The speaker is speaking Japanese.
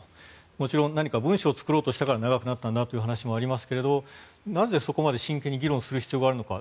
もちろん何か文書を作ろうとしたから長くなったんだという話もありますがなぜ、そこまで真剣に議論する必要があるのか。